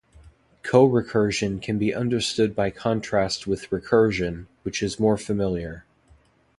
Corecursion can be understood by contrast with recursion, which is more familiar.